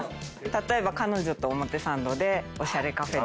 例えば彼女と表参道でおしゃれカフェデートとか。